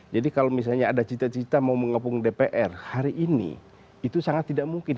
jadi kalau misalnya ada cita cita mau mengepung dpr hari ini itu sangat tidak mungkin